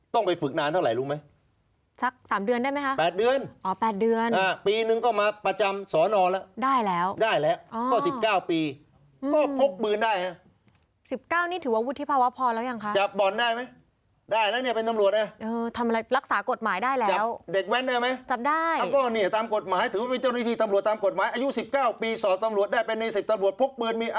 ต้องไปฝึกนานเท่าไหร่รู้ไหม